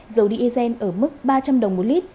dầu diesel ở mức ba trăm linh đồng một lít